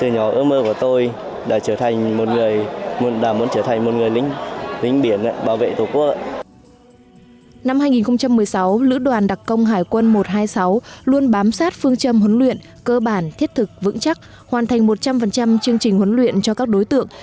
năm hai nghìn một mươi sáu lữ đoàn đặc công hải quân một trăm hai mươi sáu luôn bám sát phương châm huấn luyện cơ bản thiết thực vững chắc hoàn thành một trăm linh chương trình huấn luyện cho các đối tượng